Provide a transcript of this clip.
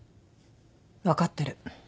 分かってる。